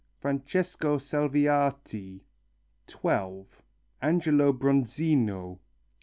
Francesco Salviati. 12. Angelo Bronzino.